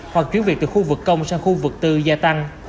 hoặc chuyển việc từ khu vực công sang khu vực tư gia tăng